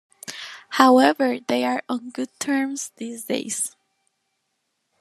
However, they are on good terms these days.